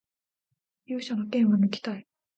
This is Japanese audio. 勇者の剣をぬきたい